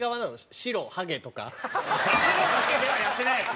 「白ハゲ」ではやってないです。